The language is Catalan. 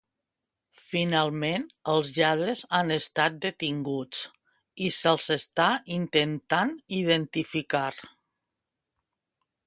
Finalment, els lladres han estat detinguts i se'ls està intentant identificar.